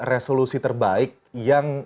resolusi terbaik yang